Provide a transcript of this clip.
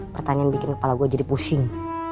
pertanyaan bikin kepala gue jadi pusing